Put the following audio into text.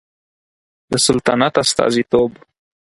د سلطنت استازیتوب